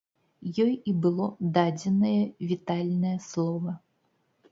Ёй і было дадзенае вітальнае слова.